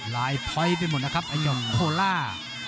ลายพ้อยไปหมดนะครับไอ้เจ้าโคล่า